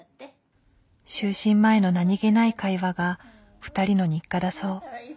就寝前の何気ない会話が２人の日課だそう。